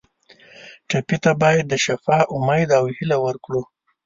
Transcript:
ټپي ته باید د شفا امید او هیله ورکړو.